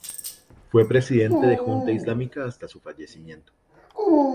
Fue presidente de Junta Islámica hasta su fallecimiento.